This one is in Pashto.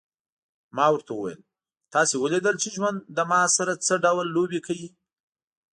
ما ورته وویل: تاسي ولیدل چې ژوند له ما سره څه ډول لوبې کوي.